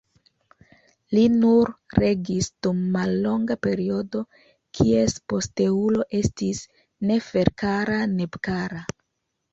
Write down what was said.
Li nur regis dum mallonga periodo, kies posteulo estis Neferkara-Nebkara.